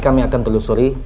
kami akan telusuri